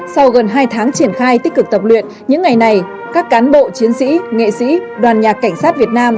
sau gần hai tháng triển khai tích cực tập luyện những ngày này các cán bộ chiến sĩ nghệ sĩ đoàn nhạc cảnh sát việt nam